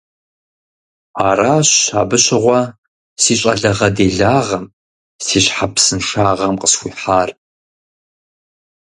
Аращ абы щыгъуэ си щӀалагъэ-делагъэм, си щхьэпсыншагъэм къысхуихьар.